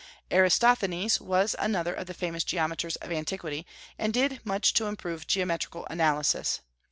Eratosthenes was another of the famous geometers of antiquity, and did much to improve geometrical analysis.